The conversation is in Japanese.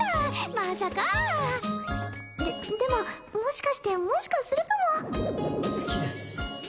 まさかででももしかしてもしかするかも好きです